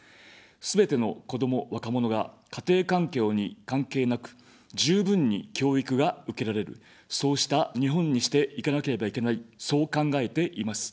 すべての子ども、若者が家庭環境に関係なく、十分に教育が受けられる、そうした日本にしていかなければいけない、そう考えています。